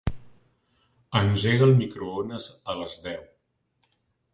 Engega el microones a les deu.